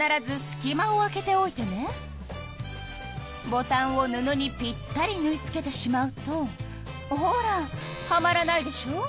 ボタンを布にぴったりぬい付けてしまうとほらはまらないでしょ。